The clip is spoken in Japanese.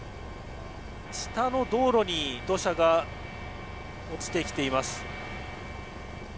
下の道路に土砂が落ちてきています。